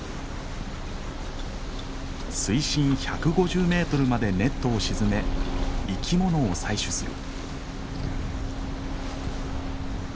水深１５０メートルまでネットを沈め生き物を採取する。